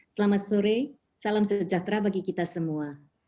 selamat sore salam sejahtera bagi kita semua